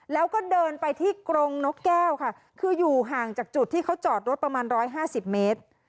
แล้วก็เดินไปที่กรงนกแก้วค่ะคืออยู่ห่างจากจุดที่เขาจอดรถประมาณ๑๕๐เมตร